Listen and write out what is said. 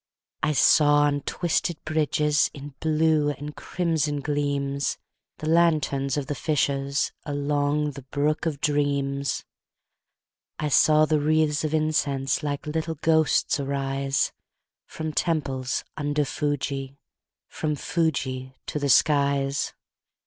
I saw, on twisted bridges, In blue and crimson gleams, The lanterns of the fishers, Along the brook of dreams. I saw the wreathes of incense Like little ghosts arise, From temples under Fuji, From Fuji to the skies.